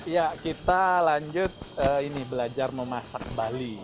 ya kita lanjut ini belajar memasak bali